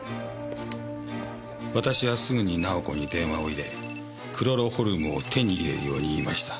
私はすぐに奈緒子に電話を入れクロロホルムを手に入れるように言いました。